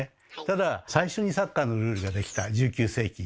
ただ最初にサッカーのルールが出来た１９世紀。